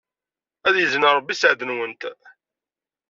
Ad izeyyen Ṛebbi sseɛd-nwent.